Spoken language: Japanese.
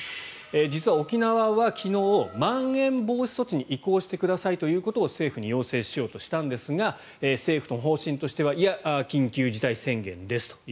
実は沖縄は昨日まん延防止措置に移行してくださいということを政府に要請しようとしたんですが政府の方針としてはいや、緊急事態宣言ですと。